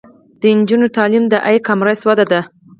د نجونو تعلیم د ای کامرس وده ده.